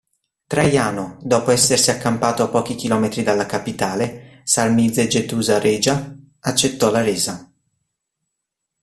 Traiano, dopo essersi accampato a pochi chilometri dalla capitale, Sarmizegetusa Regia, accettò la resa.